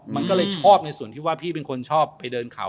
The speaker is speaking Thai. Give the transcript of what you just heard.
มันก็เลยชอบในส่วนที่ว่าพี่เป็นคนชอบไปเดินเขา